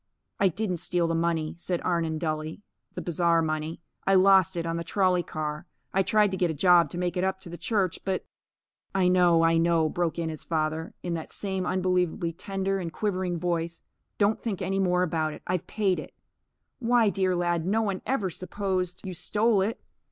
"I didn't steal the money," said Arnon, dully, "the bazaar money. I lost it on the trolley car. I tried to get a job to make it up to the church, but " "I know, I know," broke in his father, in that same unbelievably tender and quivering voice, "Don't think any more about it. I've paid it. Why, dear lad, no one ever supposed you stole it.